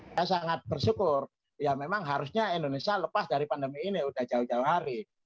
saya sangat bersyukur ya memang harusnya indonesia lepas dari pandemi ini udah jauh jauh hari